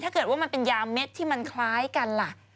ถ้าเกิดว่ามันเป็นยาเม็ดที่มันคล้ายกันล่ะ